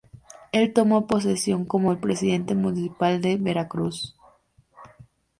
El tomo posesión como Presidente Municipal de Veracruz.